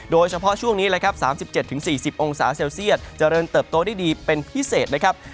โดยเฉพาะช่วงนี้๓๗๔๐องศาเซลเซียตจะเริ่นเติบโตได้ดีเป็นพิเศษ